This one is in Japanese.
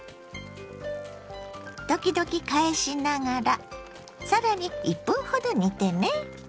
時々返しながらさらに１分ほど煮てね。